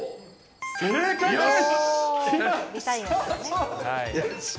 正解です！